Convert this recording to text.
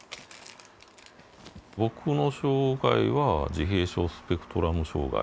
ぼくの障害は自閉症スペクトラム障害。